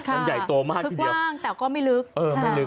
มันใหญ่โตมากทีเดียวแต่ก็ไม่ลึกเออไม่ลึก